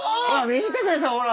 見てくださいほら！